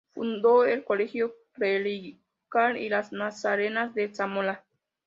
Fundó el Colegio Clerical, y las Nazarenas de Zamora.